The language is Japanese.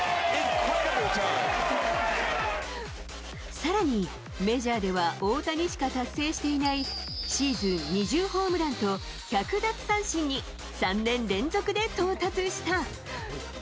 さらに、メジャーでは大谷しか達成していない、シーズン２０ホームランと１００奪三振に３年連続で到達した。